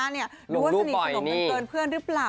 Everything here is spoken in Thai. ลงลูกป่อยนี่ดูว่าสนิทสนมเกินรึเปล่า